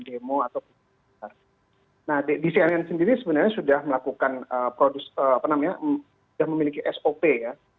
nah di cnn sendiri sebenarnya sudah melakukan produs apa namanya sudah memiliki sop ya